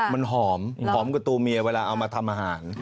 มันหอมหอมกว่าตัวเมียเวลาเอามาทำอาหาร